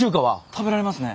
食べられますね。